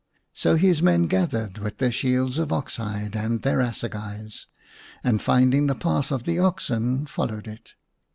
So his men gathered with their shields of ox hide and their assegais, and, finding the path of the oxen, followed it.